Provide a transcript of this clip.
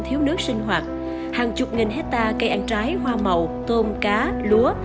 thiếu nước sinh hoạt hàng chục nghìn hectare cây ăn trái hoa màu tôm cá lúa